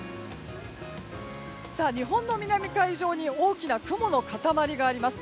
日本の南海上に大きな雲の塊があります。